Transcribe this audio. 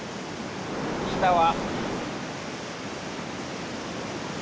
下は。